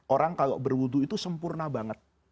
orang kalau berwudhu itu sempurna banget